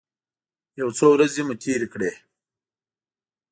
یو څو ورځې مو تېرې کړې.